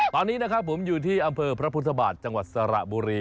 ตอนนี้นะครับผมอยู่ที่อำเภอพระพุทธบาทจังหวัดสระบุรี